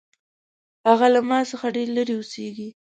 هغه له ما څخه ډېر لرې اوسیږي